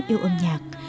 yêu âm nhạc